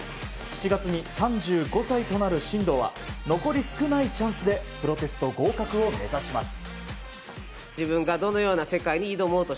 ７月に３５歳となる真道は残り少ないチャンスでプロテスト合格を目指します。